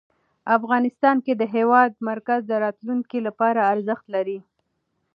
افغانستان کې د هېواد مرکز د راتلونکي لپاره ارزښت لري.